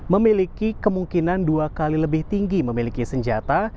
memiliki kemungkinan dua kali lebih tinggi memiliki senjata